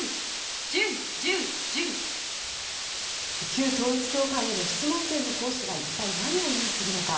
旧統一教会への質問権の行使は一体何を意味するのか。